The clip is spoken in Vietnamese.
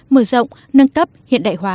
mở rộng nâng cấp hiện đại hóa